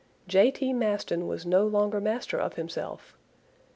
J. T. Maston was no longer master of himself.